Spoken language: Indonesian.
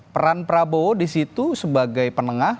peran prabowo disitu sebagai penengah